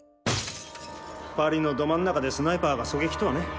パリのど真ん中でスナイパーが狙撃とはね。